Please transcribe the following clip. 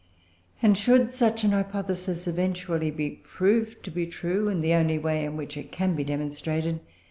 And should such an hypothesis eventually be proved to be true, in the only way in which it can be demonstrated, viz.